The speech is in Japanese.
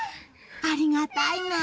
ありがたいな！